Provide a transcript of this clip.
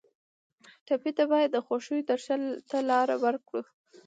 ټپي ته باید د خوښیو درشل ته لار ورکړو.